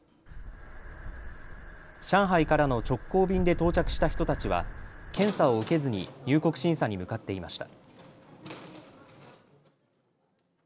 上海からの直行便で到着した人たちは検査を受けずに入国審査に向かっていました。